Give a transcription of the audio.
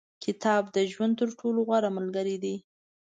• کتاب، د ژوند تر ټولو غوره ملګری دی.